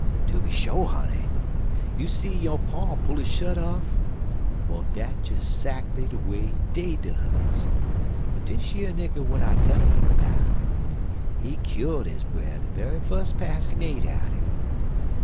"Tooby sho, honey. You see yo' pa pull his shut off? Well, dat des 'zackly de way dey duz. But dish yere nigger w'at I'm tellin' you 'bout, he kyo'd his brer de ve'y fus pass he made at him.